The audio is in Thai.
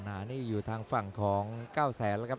การเล่นของก้าวแสนละครับ